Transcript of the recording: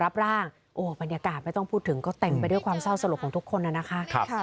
รับร่างโอ้บรรยากาศไม่ต้องพูดถึงก็เต็มไปด้วยความเศร้าสลดของทุกคนน่ะนะคะ